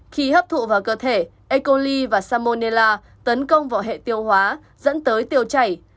khi hấp thụ vào cơ thể e coli và salmonella tấn công vào hệ tiêu hóa dẫn tới tiêu chảy